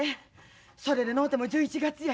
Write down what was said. それでのうても１１月や。